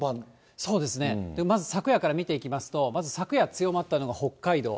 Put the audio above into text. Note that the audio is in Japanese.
そうですね、まず昨夜から見ていきますと、まず昨夜、強まったのが北海道。